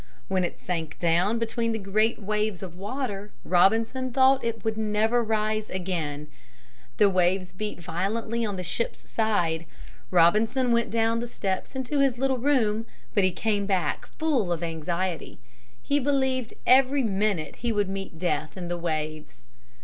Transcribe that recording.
When it sank down between the great waves of water, Robinson thought it would never again rise. The waves beat violently on the ship's side. Robinson went down the steps into his little room, but he came back full of anxiety. He believed every minute he would meet death in the waves.